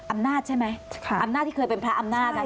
อำนาจใช่ไหมอำนาจที่เคยเป็นพระอำนาจ